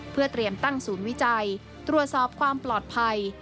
เพื่อเตรียมตั้งศูนย์วิจัยตรวจสอบความปลอดภัย